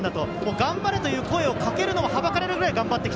頑張れという声をかけるのも、はばかられるぐらい頑張って来た。